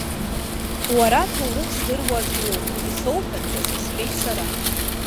Уара аҭоурых здыруа аӡә уоуп, исоуҳәандаз, — сҳәеит сара.